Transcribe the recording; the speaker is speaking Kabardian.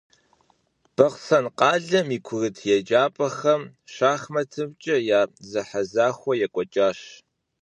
Бахъсэн къалэм и курыт еджапӀэхэм шахматымкӀэ я зэхьэзэхуэ екӀуэкӀащ.